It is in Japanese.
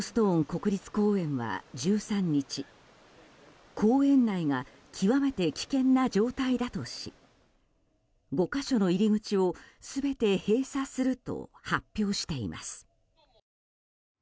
国立公園は１３日公園内が極めて危険な状態だとし５か所の入り口を全て閉鎖すると発表しています。